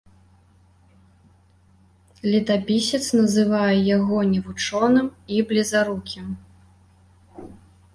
Летапісец называе яго невучоным і блізарукім.